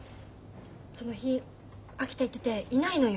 その日秋田行ってていないのよ。